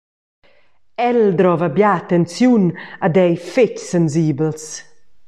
El drova bia attenziun ed ei fetg sensibels.